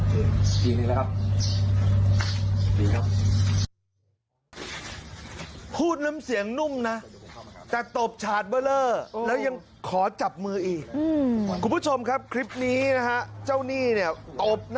ไม่เป็นไรวันที่๖นะครับ